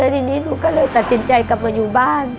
ทีนี้หนูก็เลยตัดสินใจกลับมาอยู่บ้าน